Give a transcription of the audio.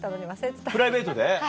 はいプライベートで。